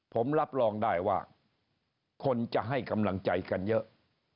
ผมรับรองได้ว่าคนจะให้กำลังใจกันเยอะ